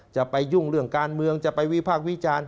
จะไปยุ่งเรื่องการเมืองจะไปวิพากษ์วิจารณ์